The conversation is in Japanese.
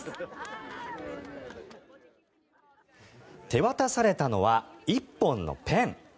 手渡されたのは１本のペン。